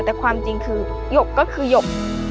แต่ความจริงคือหยกก็คือหยก